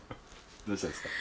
どうしたんですか？